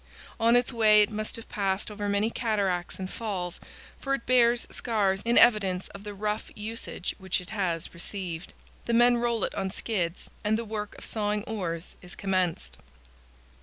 On its way it must have passed over many cataracts and falls, for it bears scars in evidence of the rough usage which it has received. The men roll it on skids, and the work of sawing oars is commenced.